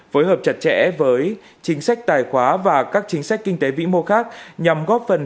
phối hợp chặt chẽ với chính sách tài khoá và các chính sách kinh tế vĩ mô khác nhằm góp phần